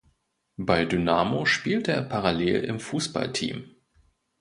Bei Dynamo spielte er parallel im Fußballteam.